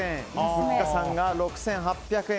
ふっかさんが６８００円。